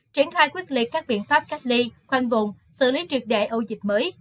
triển khai quyết liệt các biện pháp cách ly khoan vùng xử lý truyệt đệ ô dịch mới